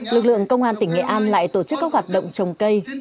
lực lượng công an tỉnh nghệ an lại tổ chức các hoạt động trồng cây